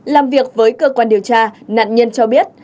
làm việc với cơ quan điều tra nạn nhân cho biết